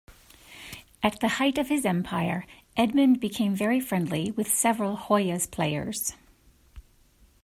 At the height of his empire, Edmond became very friendly with several Hoyas players.